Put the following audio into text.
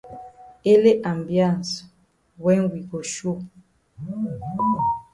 Ele ambiance wen we go show.